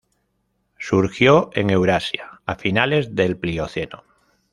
Surgió en Eurasia a finales del Plioceno.